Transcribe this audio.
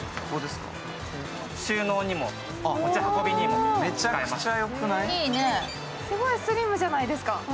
すごいスリムじゃないですか。